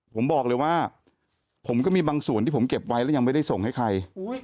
ผมบอกเลยว่าผมก็มีบางส่วนที่ผมเก็บไว้แล้วยังไม่ได้ส่งให้ใคร